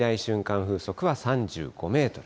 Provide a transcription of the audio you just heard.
風速は３５メートル。